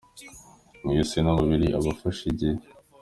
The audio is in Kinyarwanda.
mu Isi n’umubiri aba afashe igihe